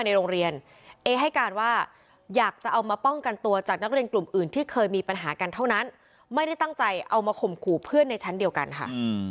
ในโรงเรียนเอให้การว่าอยากจะเอามาป้องกันตัวจากนักเรียนกลุ่มอื่นที่เคยมีปัญหากันเท่านั้นไม่ได้ตั้งใจเอามาข่มขู่เพื่อนในชั้นเดียวกันค่ะ